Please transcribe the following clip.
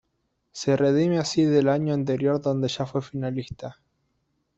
Se redime así del año anterior dónde ya fue finalista.